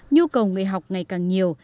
nhu cầu nghề học ngày càng nhiều